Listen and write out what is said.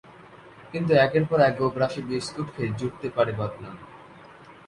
কিন্তু একের পর এক গোগ্রাসে বিস্কুট খেয়ে জুটতে পারে বদনাম।